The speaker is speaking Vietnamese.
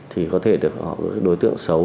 thì có thể được đối tượng xấu